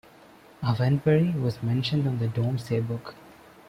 Avenbury was mentioned on the Domesday Book.